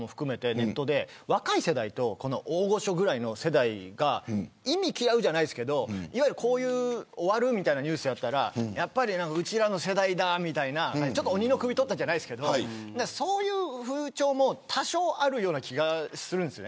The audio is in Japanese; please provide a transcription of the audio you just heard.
ネットで若い世代と大御所くらいの世代が忌み嫌うじゃないですけど終わるみたいなニュースやったらやっぱりうちらの世代だみたいな鬼の首を取ったじゃないですけどそういう風潮も、多少あるような気がするんです。